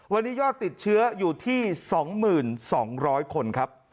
วันนี้ยอดติดเชื้ออยู่ที่๒๒๐๐คนครับ